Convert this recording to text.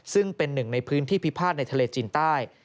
ซึ่งเป็นหนึ่งในพื้นที่พิพาทในทะเลจีนใต้